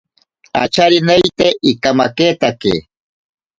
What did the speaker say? Acharineite ikamaketake.